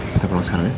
kita pulang sekarang ya